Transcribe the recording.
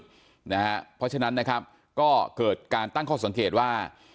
เพราะฉะนั้นนะครับก็เกิดการตั้งข้อสังเกตว่า